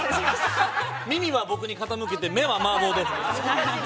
耳は僕に傾けて、目は麻婆豆腐です。